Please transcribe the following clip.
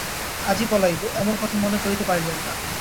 আজই পলাইব– এমন কথা মনে করিতে পারিলেন না।